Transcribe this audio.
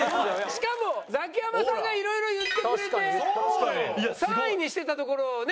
しかもザキヤマさんがいろいろ言ってくれて３位にしてたところをね。